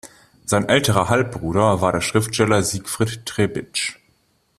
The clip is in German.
Sein älterer Halbbruder war der Schriftsteller Siegfried Trebitsch.